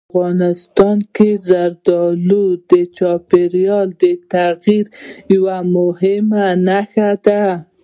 افغانستان کې زردالو د چاپېریال د تغیر یوه مهمه نښه ده.